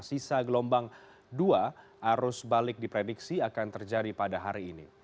sisa gelombang dua arus balik diprediksi akan terjadi pada hari ini